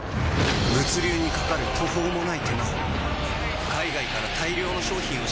物流にかかる途方もない手間を。